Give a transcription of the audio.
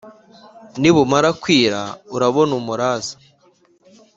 nibumara kwira urabona umuraza.